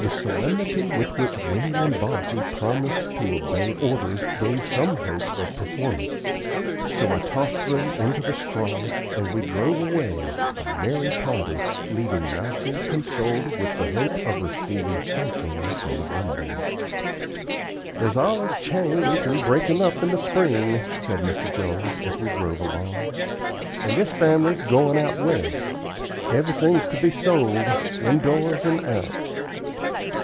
The solemnity with which Winnie and Bobsey promised to obey orders gave some hope of performance; so I tossed them into the straw, and we drove away, a merry party, leaving Mousie consoled with the hope of receiving something from the vendue. "There's allers changes and breakin's up in the spring," said Mr. Jones, as we drove along; "and this family's goin' out West. Everything is to be sold, in doors and out."